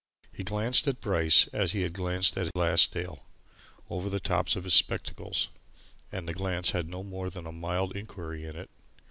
He glanced at Bryce as he had glanced at Glassdale over the tops of his spectacles, and the glance had no more than mild inquiry in it.